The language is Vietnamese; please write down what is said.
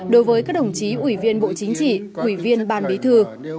đối với các đồng chí ủy viên bộ chính trị ủy viên ban bí thư